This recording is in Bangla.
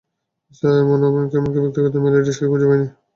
আমি এমনকি তার ব্যক্তিগত ই-মেইল এ্যাড্রেস খুঁজে পাইনি।